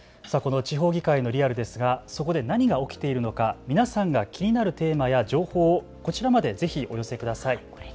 この地方議会のリアルですがそこで何が起きているのか皆さんが気になるテーマや情報をこちらまでぜひお寄せください。